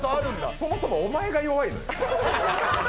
そもそもお前が弱い。